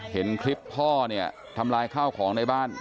เห็นคลิปพ่อเนี่ยทำลายข้าวของในบ้าน